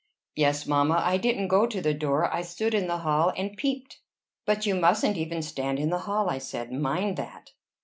"Yes, mamma. I didn't go to the door: I stood in the hall and peeped." "But you mustn't even stand in the hall," I said. "Mind that."